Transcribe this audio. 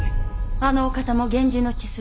あのお方も源氏の血筋。